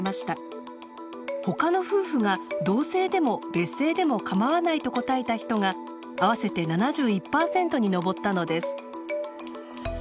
「他の夫婦が同姓でも別姓でもかまわない」と答えた人が合わせて７１％に上ったのです。